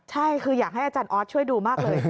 ใช่คืออยากให้อาจารย์ออสช่วยดูมากเลย